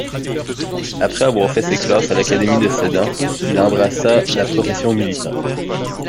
Après avoir fait ses classes à l'académie de Sedan, il embrassa la profession militaire.